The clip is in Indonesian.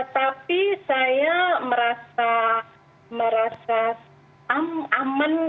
tapi saya merasa aman